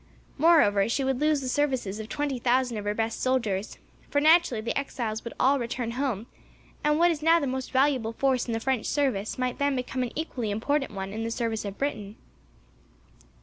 Moreover, she would lose the services of twenty thousand of her best soldiers, for naturally the exiles would all return home, and what is now the most valuable force in the French service, might then become an equally important one in the service of Britain."